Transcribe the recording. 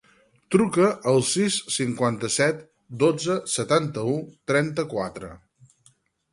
Truca al sis, cinquanta-set, dotze, setanta-u, trenta-quatre.